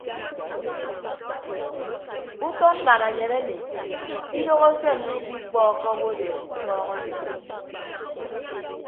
Utọ nnananyen emi idoho se mmikpikpọọkọ owodeen mmọọñ eyod.